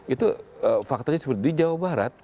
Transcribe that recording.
itu faktanya seperti di jawa barat